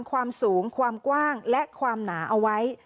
ความสูงความกว้างและความหนาเอาไว้